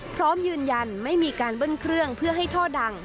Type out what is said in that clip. พร้อมยืนยันไม่มีการเบิ้ลเครื่องเพื่อให้ท่อดัง